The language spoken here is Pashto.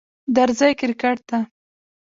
درځی کرکټ ته